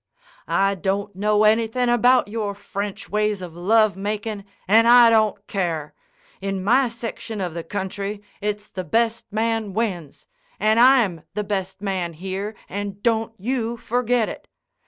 "I don't know anything about your French ways of lovemakin' an' I don't care. In my section of the country, it's the best man wins. And I'm the best man here, and don't you forget it!